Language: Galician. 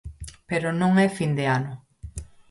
Pero non é fin de ano.